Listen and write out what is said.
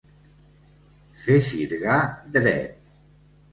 Fer sirgar dret.